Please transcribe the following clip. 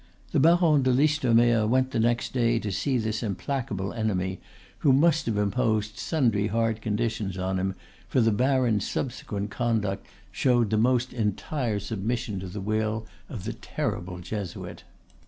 The Baron de Listomere went the next day to see this implacable enemy, who must have imposed sundry hard conditions on him, for the baron's subsequent conduct showed the most entire submission to the will of the terrible Jesuit.